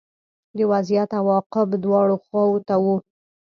د وضعیت عواقب دواړو خواوو ته وو